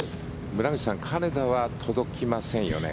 村口さん金田は届きませんよね。